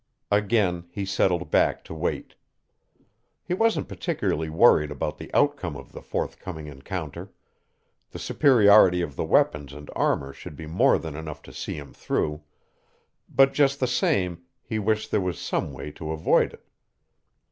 Again, he settled back to wait. He wasn't particularly worried about the outcome of the forthcoming encounter the superiority of the weapons and armor should be more than enough to see him through but just the same he wished there was some way to avoid it.